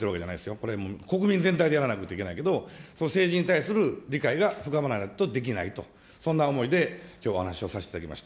これ、国民全体でやらなくてはいけないけれども、その政治に対する理解が深まらないとできないと、そんな思いできょうはお話をさせていただきました。